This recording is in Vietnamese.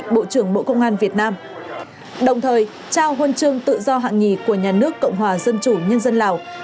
bộ trưởng bộ công an việt nam đồng thời trao huân chương tự do hạng nhì của nhà nước cộng hòa dân chủ nhân dân lào